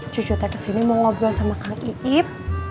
cucu teh kesini mau ngobrol sama kang ip